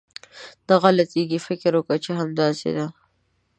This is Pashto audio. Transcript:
نه غلطېږي، فکر وکه چې همداسې ده.